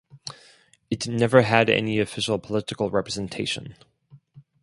It never had any official political representation.